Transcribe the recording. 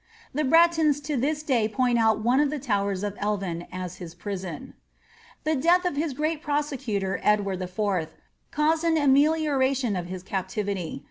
The Bretons to this day point out one of the towers of Elvin as his prison.* The death of his great persecutor Edward IV. caused an amelioration of his captiTity.